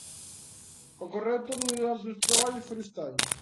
Ocorreu todo durante uns traballos forestais.